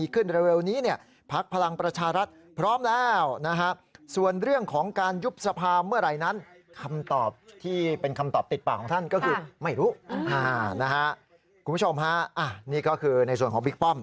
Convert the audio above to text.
คุณผู้ชมฮะนี่ก็คือในส่วนของบิ๊กป้อม